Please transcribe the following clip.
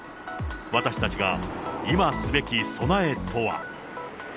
私たちが今すべき備えとは。